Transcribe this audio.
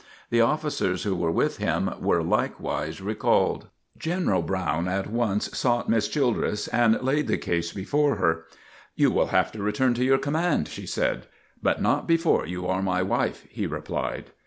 The officers who were with him were likewise recalled. General Brown at once sought Miss Childress and laid the case before her. "You will have to return to your command," she said. "But not before you are my wife," he replied.